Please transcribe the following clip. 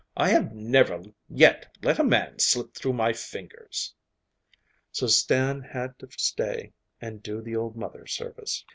'I have never yet let a man slip through my fingers.' So Stan had to stay and do the old mother service.